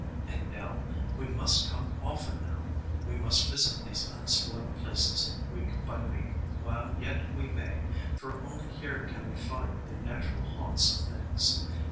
And, Nell, we must come often now; we must visit these unspoiled places week by week while yet we may, for only here can we find the natural haunts of things.